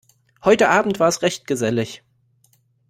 Heute Abend war es recht gesellig.